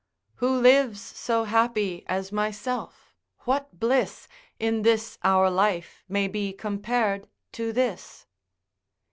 Who lives so happy as myself? what bliss In this our life may be compar'd to this?